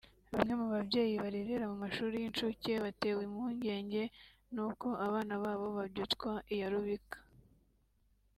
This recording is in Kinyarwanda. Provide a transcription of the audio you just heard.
Bamwe mu babyeyi barerera mu mashuri y’inshuke batewe imoungenge n’uko abana babo babyutswa iya rubika